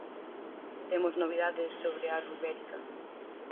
E temos novidades sobre Alu ibérica.